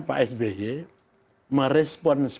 masalah tdeol buat seseorang itu